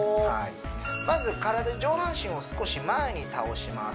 まず体上半身を少し前に倒します